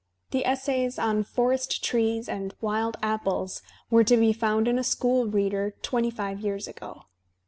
The essays on "Forest Trees" and "Wild Apples" were to be found in a school reader tw^ty five years ago.